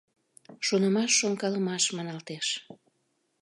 «Шонымаш-шонкалымаш» маналтеш.